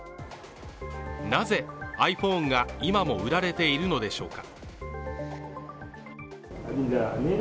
なぜ、ｉＰｈｏｎｅが今も売られているのでしょうか。